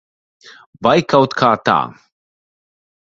Vai kaut kā tā.